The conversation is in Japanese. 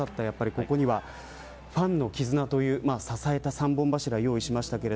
ここにはファンの絆という支えた三本柱、用意しました。